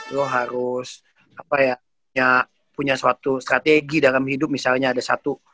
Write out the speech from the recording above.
lo harus apa ya punya suatu strategi dalam hidup misalnya ada satu